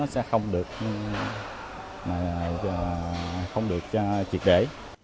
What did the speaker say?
sẽ không được triệt để